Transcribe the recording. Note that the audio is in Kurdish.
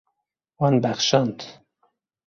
Wan bexşand.